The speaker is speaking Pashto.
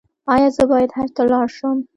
ایا زه باید حج ته لاړ شم؟